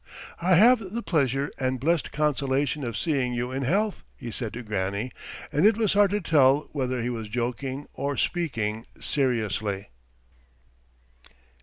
"I have the pleasure and blessed consolation of seeing you in health," he said to Granny, and it was hard to tell whether he was joking or speaking seriously.